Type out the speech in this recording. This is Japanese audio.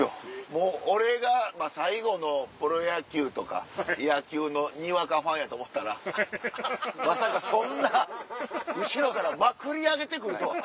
もう俺が最後のプロ野球とか野球のにわかファンやと思ったらまさかそんな後ろからまくり上げてくるとは。